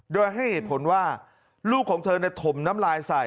โดยให้เหตุผลว่าลูกของเธอถมน้ำลายใส่